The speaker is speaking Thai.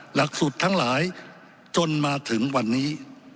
หลักสูตรทั้งหลายจนมาถึงวันนี้